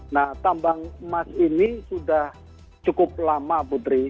nah tambang emas ini sudah cukup lama putri